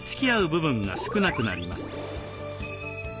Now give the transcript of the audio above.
部分が少なくなります。